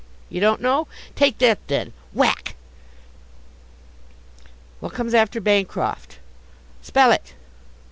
You don't know? Take that, then! (whack). What comes after Bancroft? Spell it!